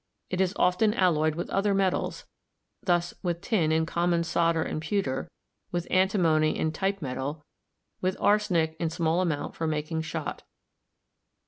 It is often alloyed with other metals; thus with tin in common solder and pewter; with antimony in type metal; with ar senic in small amount for making shot.